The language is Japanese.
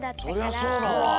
そりゃそうだわ。